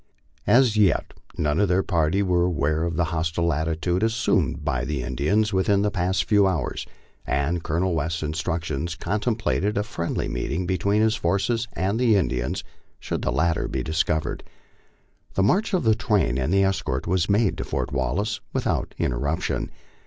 As yet none of their party were aware of the hostile attitude assumed by Jie Indians within the past few hours, and Colonel West's instructions con templated a friendly meeting between his forces and the Indians should the latter be discovered. The march of the train and escort was made to Fort Wallace without interruption.